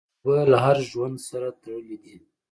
اوبه له هر ژوند سره تړلي دي.